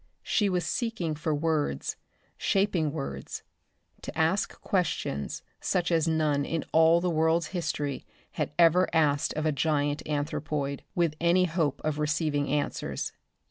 She was seeking for words, shaping words, to ask questions such as none in all the world's history had ever asked of a giant anthropoid, with any hope of receiving answers.